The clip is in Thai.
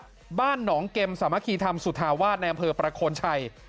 สามเม้นเวิลบ้านหนองเกมสมาคิธรรมสุธาวาสแนมเภอประโคนชัย